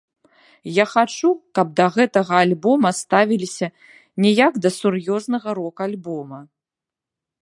Я хачу, каб да гэтага альбома ставіліся не як да сур'ёзнага рок-альбома.